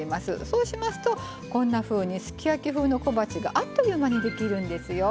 そうしますとこんなふうにすき焼き風の小鉢があっという間にできるんですよ。